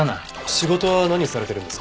仕事は何されてるんです？